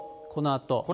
このあと。